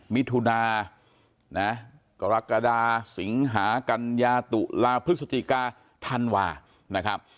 มิถุนานะกรกฎาสิงหากัญญาตุลาพฤศจิกาธันวานะครับ